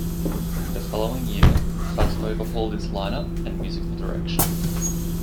The following year, Phuz overhauled its lineup and musical direction.